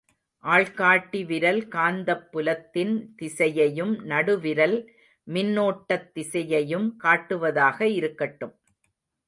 ஆள்காட்டி விரல் காந்தப்புலத்தின் திசையையும் நடுவிரல் மின்னோட்டத்திசையையும் காட்டுவதாக இருக்கட்டும்.